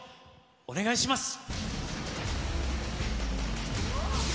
お願いします。